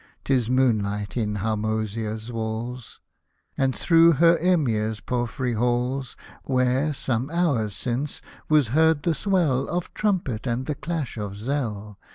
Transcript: Tis moonlight in Harmozia's walls, And through her Emir's porphyry halls, Where, some hours since, was heard the swell Of trumpet and the clash of zel.